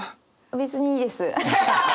別にいいです。